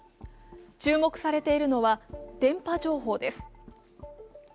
注目されているのは電波情報です。